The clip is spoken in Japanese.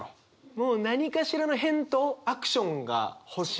もう何かしらの返答アクションが欲しい。